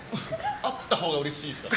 あったほうがうれしいですね。